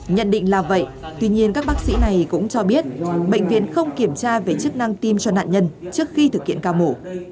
nhận định là vậy tuy nhiên các bác sĩ này cũng cho biết bệnh viện không kiểm tra về chức năng tim cho nạn nhân trước khi thực hiện ca mổ